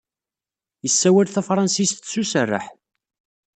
Yessawal tafṛansit s userreḥ.